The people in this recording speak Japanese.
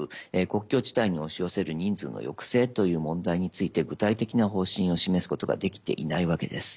国境地帯に押し寄せる人数の抑制という問題について具体的な方針を示すことができていないわけです。